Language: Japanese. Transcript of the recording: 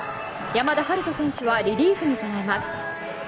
山田陽翔選手はリリーフに備えます。